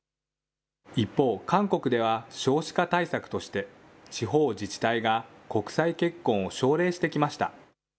一方、韓国では少子化対策として、地方自治体が国際結婚を奨励してきました。